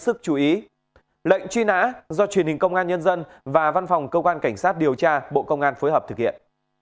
những chi nã do truyền hình công an nhân dân và văn phòng cơ quan cảnh sát điều tra bộ công an phối hợp thực hiện